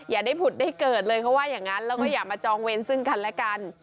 อย่าได้ผุดได้เกิดเลยเขาว่าอย่างนั้นแล้วก็อย่ามาจองเว้นซึ่งกันและกัน